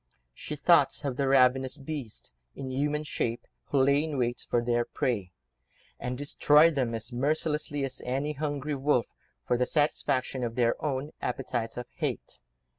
She thought of the ravenous beasts—in human shape—who lay in wait for their prey, and destroyed them, as mercilessly as any hungry wolf, for the satisfaction of their own appetite of hate.